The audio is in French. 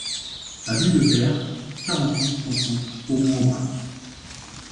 Avenue de Peyre, quarante-huit, cent trente Aumont-Aubrac